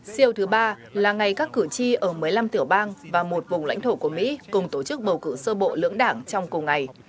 siêu thứ ba là ngày các cử tri ở một mươi năm tiểu bang và một vùng lãnh thổ của mỹ cùng tổ chức bầu cử sơ bộ lưỡng đảng trong cùng ngày